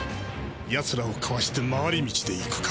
やつらをかわして回り道で行くか。